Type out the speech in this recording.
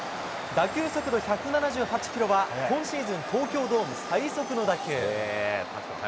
打球速度１７８キロは、今シーズン東京ドーム最速の打球。